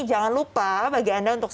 jangan lupa bagi anda untuk